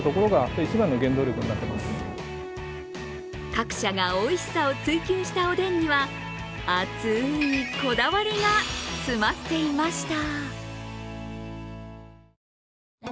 各社がおいしさを追求したおでんには熱いこだわりが詰まっていました。